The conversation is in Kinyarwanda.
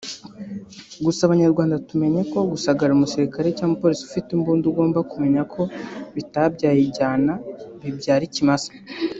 gusa abanyarwanda tumenyeko gusagarira umusirikare cg umuporisi ufite imbunda ugomba kumenya ko bitabyaye ijyana bibyarikimasa